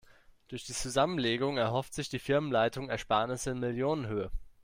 Durch die Zusammenlegung erhofft sich die Firmenleitung Ersparnisse in Millionenhöhe.